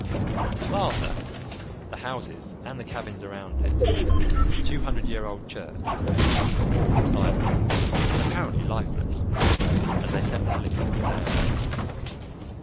The plaza, the houses and the cabins around it, the two hundred year old church, all were silent and apparently lifeless as they set the helicopter down.